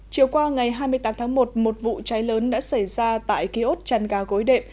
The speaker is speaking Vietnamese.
chiều qua ngày hai mươi tám tháng một một vụ cháy lớn đã xảy ra tại kiosk trần gà gối đệm